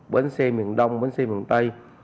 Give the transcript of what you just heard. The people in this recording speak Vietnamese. bến xe miền đông bến xe miền tây